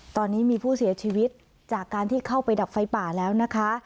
ตอนนี้มีผู้เสียชีวิตจากการที่เข้าไปดับไฟป่าแล้วนะคะ